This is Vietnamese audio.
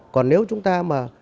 còn nếu chúng ta mà